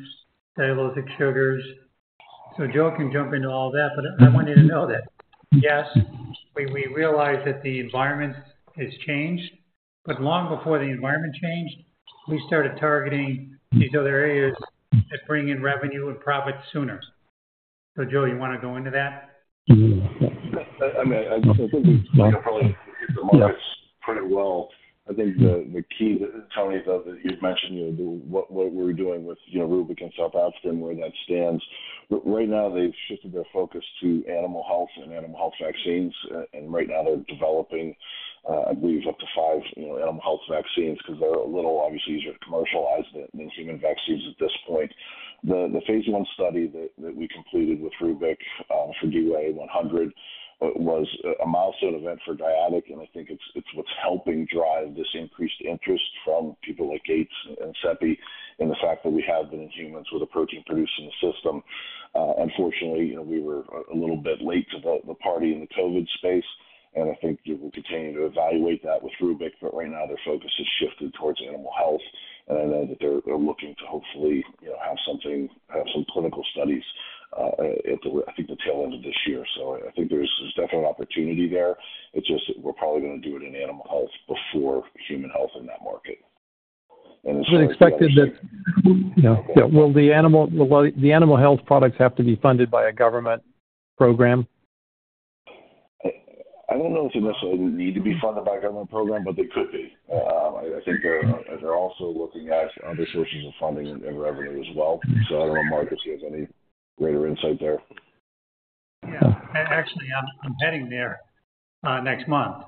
cellulosic sugars. Joe can jump into all of that, but I want you to know that, yes, we realize that the environment has changed, but long before the environment changed, we started targeting these other areas that bring in revenue and profit sooner. Joe, you want to go into that? I mean, I think we've kind of really hit the markets pretty well. I think the key, Tony, that you've mentioned, what we're doing with Rubic and South Africa, where that stands. Right now, they've shifted their focus to animal health and animal health vaccines. Right now, they're developing, I believe, up to five animal health vaccines because they're a little, obviously, easier to commercialize than human vaccines at this point. The Phase I study that we completed with Rubic for DYAI-100 was a milestone event for Dyadic. I think it's what's helping drive this increased interest from people like Gates and CEPI in the fact that we have been in humans with a protein-producing system. Unfortunately, we were a little bit late to the party in the COVID space. I think we'll continue to evaluate that with Rubic, but right now, their focus has shifted towards animal health. I know that they're looking to hopefully have some clinical studies at, I think, the tail end of this year. I think there's definitely an opportunity there. It's just we're probably going to do it in animal health before human health in that market. You expected that, yeah, will the animal health products have to be funded by a government program? I don't know if they necessarily need to be funded by a government program, but they could be. I think they're also looking at other sources of funding and revenue as well. I don't know, Mark, if you have any greater insight there. Yeah. Actually, I'm heading there next month.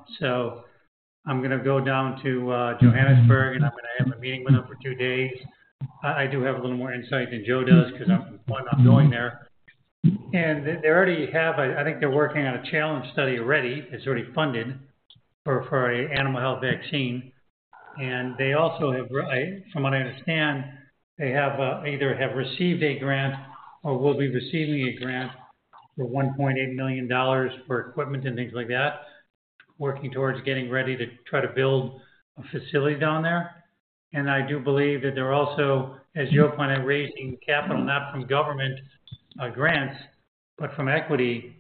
I'm going to go down to Johannesburg, and I'm going to have a meeting with them for two days. I do have a little more insight than Joe does because I'm going there. They already have, I think they're working on a challenge study already. It's already funded for an animal health vaccine. They also have, from what I understand, they either have received a grant or will be receiving a grant for $1.8 million for equipment and things like that, working towards getting ready to try to build a facility down there. I do believe that they're also, as Joe pointed, raising capital, not from government grants, but from equity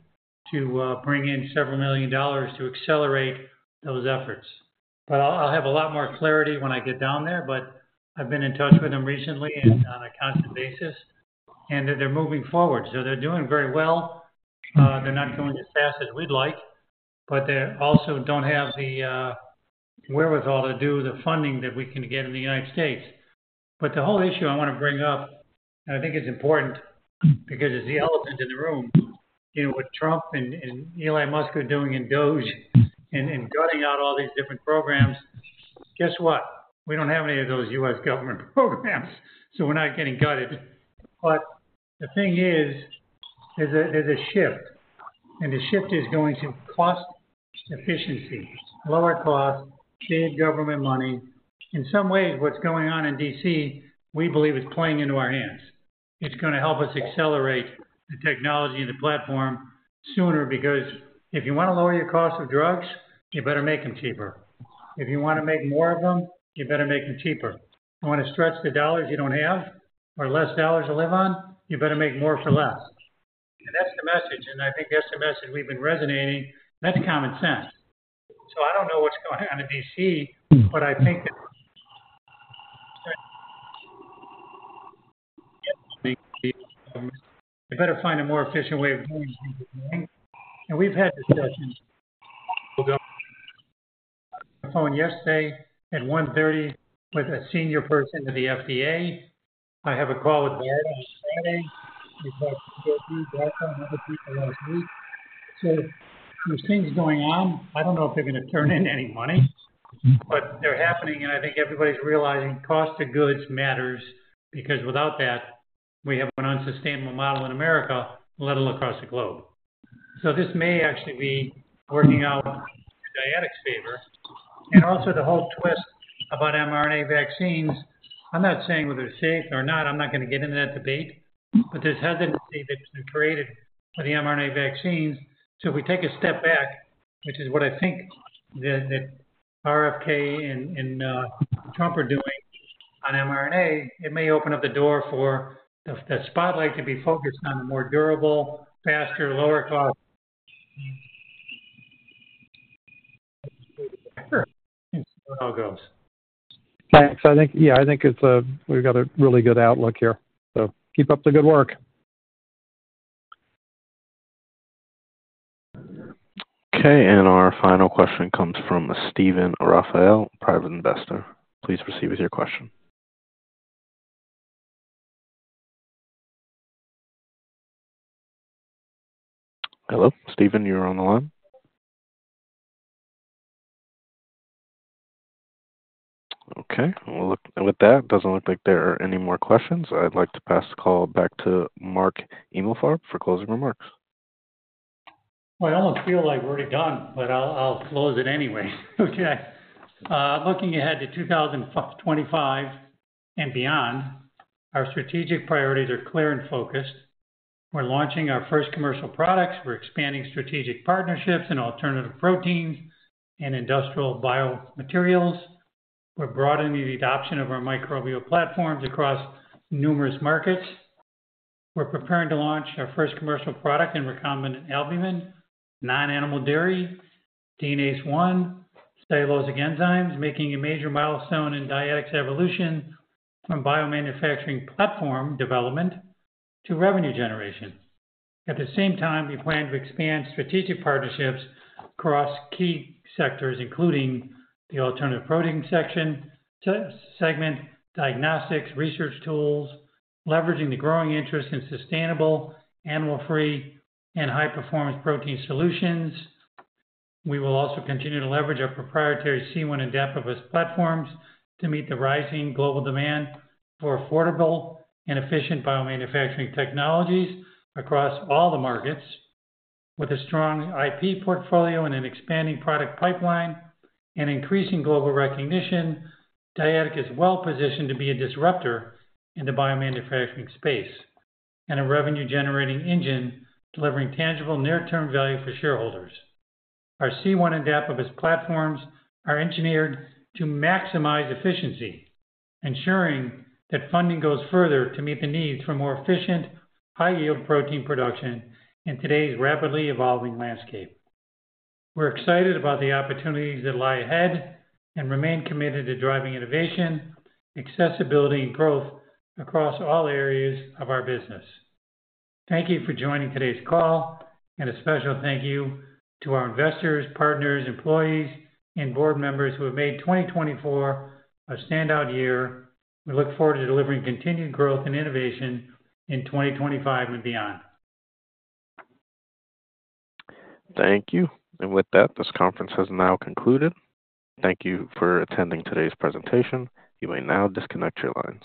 to bring in several million dollars to accelerate those efforts. I'll have a lot more clarity when I get down there, but I've been in touch with them recently and on a constant basis. They're moving forward. They're doing very well. They're not going as fast as we'd like, but they also don't have the wherewithal to do the funding that we can get in the United States. The whole issue I want to bring up, and I think it's important because it's the elephant in the room, what Trump and Elon Musk are doing in DOGE and gutting out all these different programs. Guess what? We don't have any of those U.S. government programs, so we're not getting gutted. The thing is, there's a shift. The shift is going to cost efficiency, lower cost, save government money. In some ways, what's going on in D.C., we believe is playing into our hands. It is going to help us accelerate the technology and the platform sooner because if you want to lower your cost of drugs, you better make them cheaper. If you want to make more of them, you better make them cheaper. You want to stretch the dollars you do not have or less dollars to live on, you better make more for less. That is the message. I think that is the message we have been resonating. That is common sense. I do not know what's going on in D.C., but I think you better find a more efficient way of doing things than doing. We have had discussions. I was on the phone yesterday at 1:30 P.M. with a senior person at the FDA. I have a call with [unintelligible] last week. There are things going on. I do not know if they are going to turn in any money, but they are happening. I think everybody is realizing cost of goods matters because without that, we have an unsustainable model in America, let alone across the globe. This may actually be working out in Dyadic's favor. Also, the whole twist about mRNA vaccines, I am not saying whether it is safe or not, I am not going to get into that debate, but there is hesitancy that has been created for the mRNA vaccines. If we take a step back, which is what I think that RFK and Trump are doing on mRNA, it may open up the door for the spotlight to be focused on the more durable, faster, lower cost. Sure. See how it all goes. Thanks. Yeah, I think we've got a really good outlook here. Keep up the good work. Okay. Our final question comes from Stephen Raphael, private investor. Please proceed with your question. Hello? Stephen, you're on the line. Okay. With that, it doesn't look like there are any more questions. I'd like to pass the call back to Mark Emalfarb for closing remarks. I almost feel like we're already done, but I'll close it anyway. Looking ahead to 2025 and beyond, our strategic priorities are clear and focused. We're launching our first commercial products. We're expanding strategic partnerships in alternative proteins and industrial biomaterials. We're broadening the adoption of our microbial platforms across numerous markets. We're preparing to launch our first commercial product in recombinant albumin, non-animal dairy, DNase I, cellulosic enzymes, making a major milestone in Dyadic's evolution from biomanufacturing platform development to revenue generation. At the same time, we plan to expand strategic partnerships across key sectors, including the alternative protein section, diagnostics, research tools, leveraging the growing interest in sustainable, animal-free, and high-performance protein solutions. We will also continue to leverage our proprietary C1 and Dapibus platforms to meet the rising global demand for affordable and efficient biomanufacturing technologies across all the markets. With a strong IP portfolio and an expanding product pipeline and increasing global recognition, Dyadic is well-positioned to be a disruptor in the biomanufacturing space and a revenue-generating engine delivering tangible near-term value for shareholders. Our C1 and Dapibus platforms are engineered to maximize efficiency, ensuring that funding goes further to meet the needs for more efficient, high-yield protein production in today's rapidly evolving landscape. We're excited about the opportunities that lie ahead and remain committed to driving innovation, accessibility, and growth across all areas of our business. Thank you for joining today's call. A special thank you to our investors, partners, employees, and board members who have made 2024 a standout year. We look forward to delivering continued growth and innovation in 2025 and beyond. Thank you. With that, this conference has now concluded. Thank you for attending today's presentation. You may now disconnect your lines.